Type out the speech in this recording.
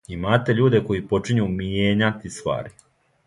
Имате људе који почињу мијењати ствари.